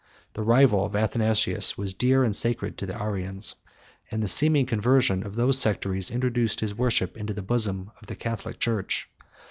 The rival of Athanasius was dear and sacred to the Arians, and the seeming conversion of those sectaries introduced his worship into the bosom of the Catholic church.